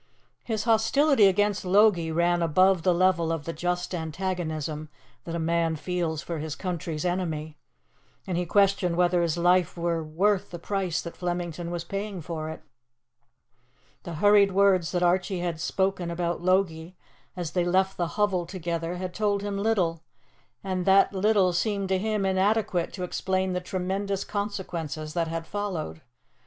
His hostility against Logie ran above the level of the just antagonism that a man feels for his country's enemy, and he questioned whether his life were worth the price that Flemington was paying for it. The hurried words that Archie had spoken about Logie as they left the hovel together had told him little, and that little seemed to him inadequate to explain the tremendous consequences that had followed.